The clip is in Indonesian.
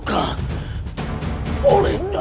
dari kata daya